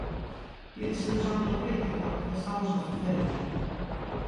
Pídesenos autocrítica, e estamos a facela.